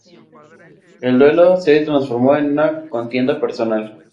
El duelo se transformó en una contienda personal.